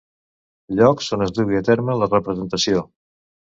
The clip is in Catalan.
Llocs on es dugui a terme la representació.